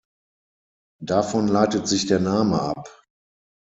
Davon leitet sich der Name ab.